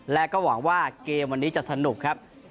และก็หวังว่าเกมวันนี้จะสนุกครับ